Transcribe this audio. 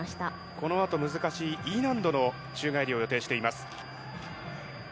このあと難しいＥ難度の宙返りを予定しています。